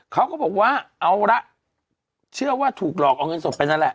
เขาก็บอกว่าเอาละเชื่อว่าถูกหลอกเอาเงินสดไปนั่นแหละ